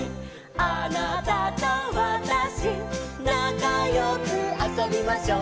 「あなたとわたしなかよくあそびましょう」